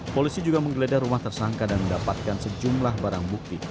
polisi juga menggeledah rumah tersangka dan mendapatkan sejumlah barang bukti